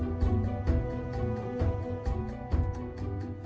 ผมก็ไม่รู้ว่าทำไมมันทำแบบนั้น